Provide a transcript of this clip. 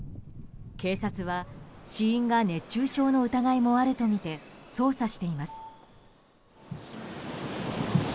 警察は、死因が熱中症の疑いもあるとみて捜査しています。